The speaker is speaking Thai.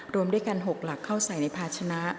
รวมด้วยกัน๖หลักเข้าใส่ในภาชนะ